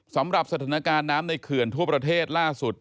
สำหรับสถานการณ์น้ำในเขื่อนทั่วประเทศล่าสุด